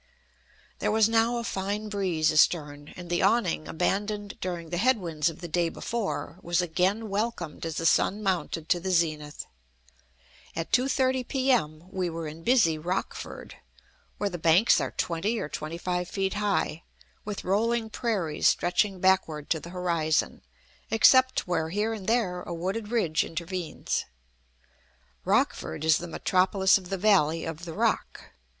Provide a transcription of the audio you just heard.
There was now a fine breeze astern, and the awning, abandoned during the head winds of the day before, was again welcomed as the sun mounted to the zenith. At 2.30 P. M., we were in busy Rockford, where the banks are twenty or twenty five feet high, with rolling prairies stretching backward to the horizon, except where here and there a wooded ridge intervenes. Rockford is the metropolis of the valley of the Rock.